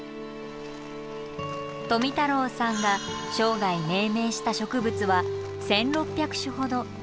富太郎さんが生涯命名した植物は１，６００種ほど。